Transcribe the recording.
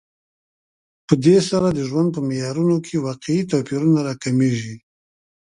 په دې سره د ژوند په معیارونو کې واقعي توپیرونه راکمېږي